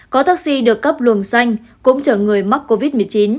có taxi được cấp luồng xanh cũng chở người mắc covid một mươi chín